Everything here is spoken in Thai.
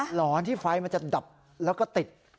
หลอนที่ไฟมันจะดับแล้วก็ติด